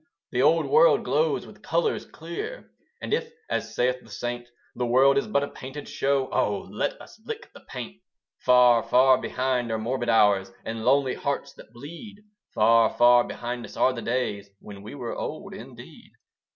The old world glows with colours clear; And if, as saith the saint, The world is but a painted show, Oh let us lick the paint! Far, far behind are morbid hours, And lonely hearts that bleed. Far, far behind us are the days, When we were old indeed.